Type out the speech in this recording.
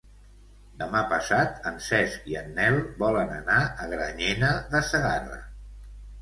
Demà passat en Cesc i en Nel volen anar a Granyena de Segarra.